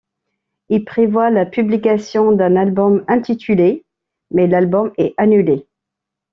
Il prévoit la publication d'un album intitulé ', mais l'album est annulé.